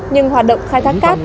nhưng hoạt động khai thác cát